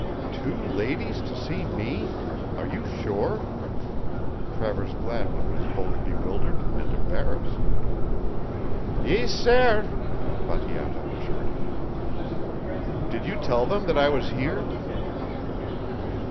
"Two ladies to see me? Are you sure?" Travers Gladwin was both bewildered and embarrassed. "Ees, sair!" Bateato assured him. "Did you tell them that I was here?"